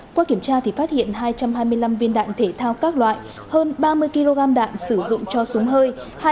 qua kiểm tra thì phát hiện hai trăm hai mươi năm viên đạn thể thao các loại hơn ba mươi kg đạn sử dụng cho súng hơi